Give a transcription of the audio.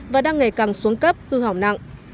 và đang ngày càng xuống cấp hư hỏng nặng